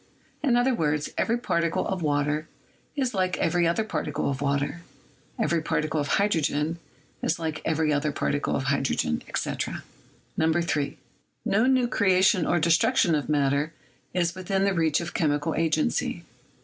In other words, every particle of water is like every other particle of water, every particle of hydrogen is like every other particle of hydrogen, etc. 3. No new creation or destruction of matter is within the reach of chemical agency.